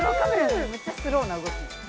めっちゃスローな動き。